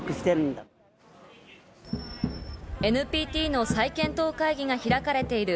ＮＰＴの再検討会議が開かれている